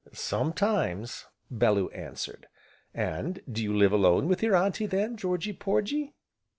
"Sometimes," Bellew answered. "And do you live alone with your Auntie then, Georgy Porgy?"